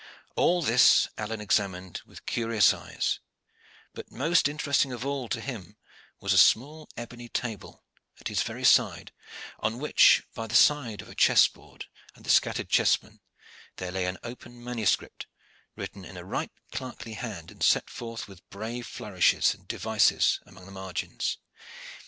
All this Alleyne examined with curious eyes; but most interesting of all to him was a small ebony table at his very side, on which, by the side of a chess board and the scattered chessmen, there lay an open manuscript written in a right clerkly hand, and set forth with brave flourishes and devices along the margins.